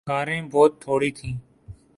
کاریں بہت تھوڑی تھیں۔